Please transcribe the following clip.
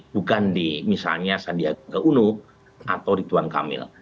bukan di misalnya sandiaga unu atau di tuan kamil